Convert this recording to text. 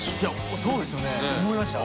そうですよね思いました。